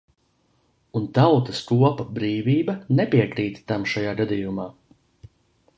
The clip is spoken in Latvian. "Un Tautas kopa "Brīvība" nepiekrīt tam šajā gadījumā."